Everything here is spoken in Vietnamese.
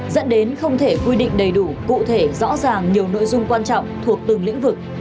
dẫn đến không thể quy định đầy đủ cụ thể rõ ràng nhiều nội dung quan trọng thuộc từng lĩnh vực